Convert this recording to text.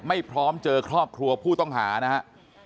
ไม่พร้อมเจอครอบครัวผู้ต้องหานะครับ